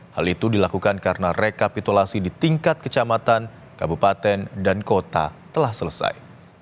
hal itu dilakukan karena rekapitulasi di tingkat kecamatan kabupaten dan kota telah selesai